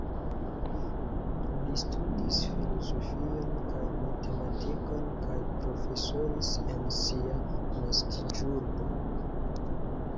Li studis filozofion kaj matematikon kaj profesoris en sia naskiĝurbo.